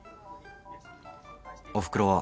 おふくろは。